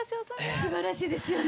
すばらしいですよね。